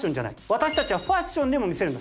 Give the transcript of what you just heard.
私たちはファッションでも魅せるんだ。